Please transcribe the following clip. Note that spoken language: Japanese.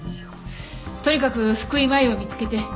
とにかく福井真衣を見つけて事情聴取！